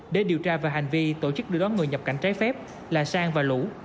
để điều tra về hành vi tổ chức đối đoán người nhập cảnh trái phép là sang và lũ